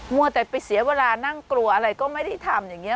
มั่วแต่ไปเสียเวลานั่งกลัวอะไรก็ไม่ได้ทำ